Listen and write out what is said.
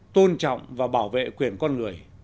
tôn trọng và bảo vệ quyền con người